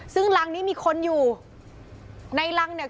ซึ่งรังนี้มีคนอยู่ในรังเนี่ย